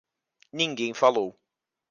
Ninguém falou.